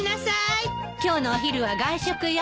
今日のお昼は外食よ。